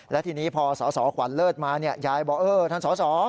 และทีนี้พอสสขวัญเลิศมายายบอกเออท่านสอสอ